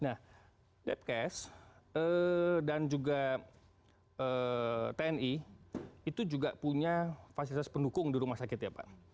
nah depkes dan juga tni itu juga punya fasilitas pendukung di rumah sakit ya pak